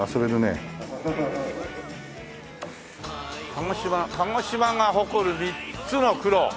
鹿児島「鹿児島が誇る三つの黒」。